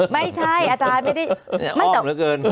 ไม่ใช่อาจารย์อ้อมเหลือเกิน